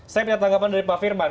saya punya tanggapan dari pak firman